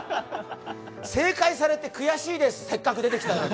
正解されて悔しいです、せったく出てきたのに。